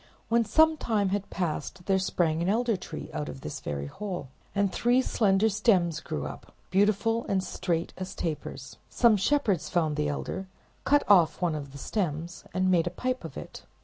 When some time had passed by, there sprang an elder tree out of this very hole, and three slender sterns grew up, beautiful and straight as tapers. Some shepherds found this elder, cut off one of the stems, and made a pipe of it.